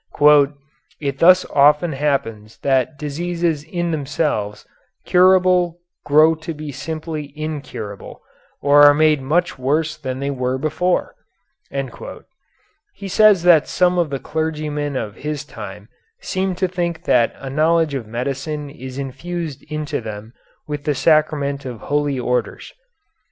"It thus often happens that diseases in themselves curable grow to be simply incurable or are made much worse than they were before." He says that some of the clergymen of his time seemed to think that a knowledge of medicine is infused into them with the sacrament of Holy Orders.